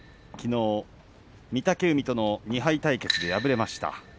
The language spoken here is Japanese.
きのう御嶽海との２敗対決で敗れました。